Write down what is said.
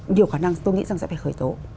nhiều khả năng tôi nghĩ rằng sẽ phải khởi tố